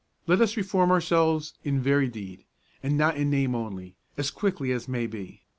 Let us reform ourselves in very deed, and not in name only, as quickly as may be.